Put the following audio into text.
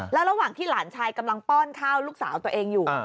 แล้วระหว่างที่หลานชายกำลังป้อนข้าวลูกสาวตัวเองอยู่